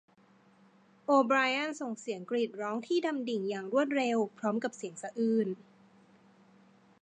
โอไบรอันส่งเสียงกรีดร้องที่ดำดิ่งอย่างรวดเร็วพร้อมกับเสียงสะอื้น